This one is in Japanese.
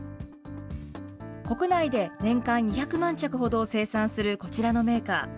国内で年間２００万着ほどを生産するこちらのメーカー。